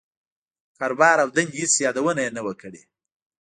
د کاروبار او دندې هېڅ يادونه يې نه وه کړې.